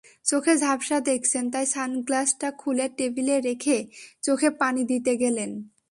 চোখে ঝাপসা দেখছেন, তাই সানগ্লাসটা খুলে টেবিলে রেখে চোখে পানি দিতে গেলেন।